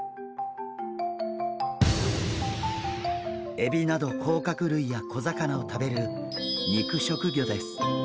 エビなどこうかくるいや小魚を食べる肉食魚です。